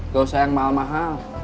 gak usah yang mahal mahal